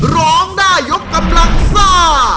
ร้องได้ยกกำลังซ่า